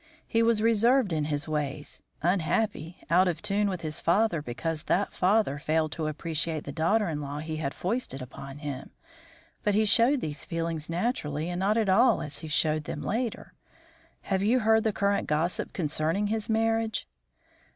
He was reserved in his ways, unhappy, out of tune with his father because that father failed to appreciate the daughter in law he had foisted upon him, but he showed these feelings naturally and not at all as he showed them later. Have you heard the current gossip concerning his marriage?"